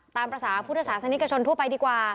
ตามภูติศาสนิทกระชนทั่วไปดีกว่า